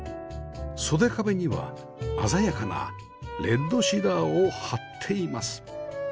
袖壁には鮮やかなレッドシダーを張っています